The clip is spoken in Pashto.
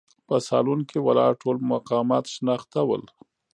په سالون کې ولاړ ټول مقامات شناخته ول.